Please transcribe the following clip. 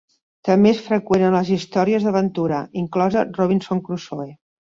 També és freqüent en les històries d'aventura, inclosa Robinson Crusoe.